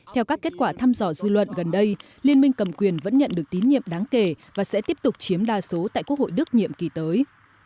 theo các kết quả thăm dò dư luận gần đây liên minh cầm quyền vẫn nhận được tín nhiệm đáng kể và sẽ tiếp tục chiếm đa số tại quốc hội đức nhiệm kỳ tới